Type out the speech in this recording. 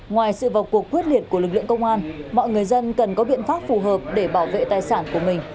ngoài sự vào cuộc quyết liệt của lực lượng công an mọi người dân cần có biện pháp phù hợp để bảo vệ tài sản của mình